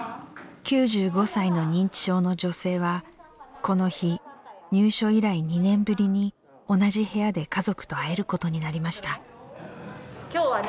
９５歳の認知症の女性はこの日入所以来２年ぶりに同じ部屋で家族と会えることになりました。